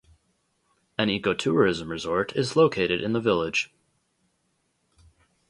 An ecotourism resort is located in the village.